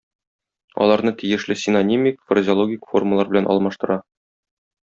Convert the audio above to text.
Аларны тиешле синонимик, фразеологик формалар белән алмаштыра.